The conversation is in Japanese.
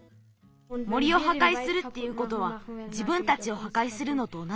森をはかいするっていうことはじぶんたちをはかいするのとおなじなんだ。